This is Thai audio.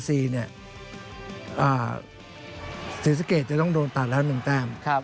สิริสเกตจะต้องตัดแล้ว๑แต้ม